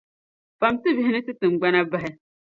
Fam ti bihi ni ti niŋgbuna bahi!